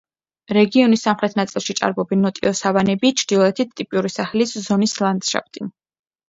რეგიონის სამხრეთ ნაწილში ჭარბობენ ნოტიო სავანები, ჩრდილოეთით ტიპიურია საჰელის ზონის ლანდშაფტი.